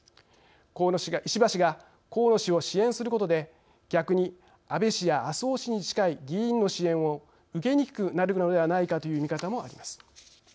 石破氏が河野氏を支援することで逆に安倍氏や麻生氏に近い議員の支援を受けにくくなるのではないか。という見方もあります。